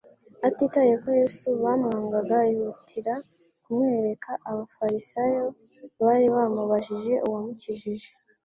Atitaye ko Yesu bamwangaga, yihutira kumwereka abafarisayo bari bamubajije Uwamukijije.